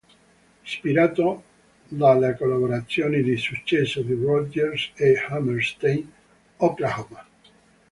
Ispirato dalle collaborazioni di successo di Rodgers e Hammerstein, "Oklahoma!